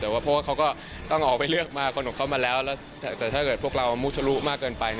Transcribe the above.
แต่ว่าเพราะว่าเขาก็ต้องออกไปเลือกมาคนของเขามาแล้วแล้วแต่ถ้าเกิดพวกเรามุชะลุมากเกินไป